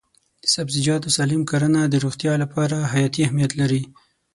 د سبزیجاتو سالم کرنه د روغتیا لپاره حیاتي اهمیت لري.